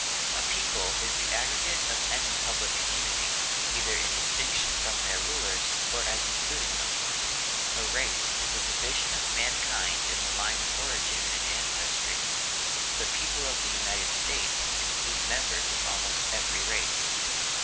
A people is the aggregate of any public community, either in distinction from their rulers or as including them; a race is a division of mankind in the line of origin and ancestry; the people of the United States includes members of almost every race.